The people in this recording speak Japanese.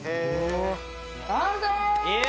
完成！